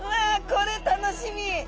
これ楽しみ！